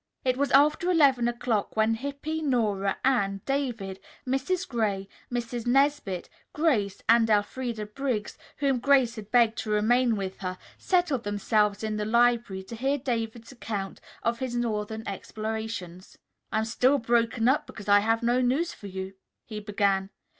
It was after eleven o'clock when Hippy, Nora, Anne, David, Mrs. Gray, Mrs. Nesbit, Grace and Elfreda Briggs, whom Grace had begged to remain with her, settled themselves in the library to hear David's account of his northern explorations. "I am all broken up because I have no news for you," he began.